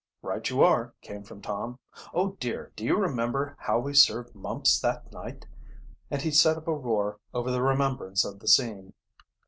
"Right you are!" came from Tom, "Oh dear, do you remember how we served Mumps that night!" and he set up a roar over the remembrance of the scene.